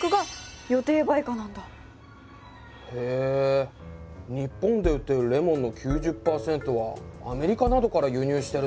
へえ日本で売ってるレモンの９０％はアメリカなどから輸入してるのか。